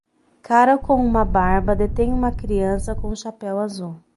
Cara com uma barba detém uma criança com um chapéu azul.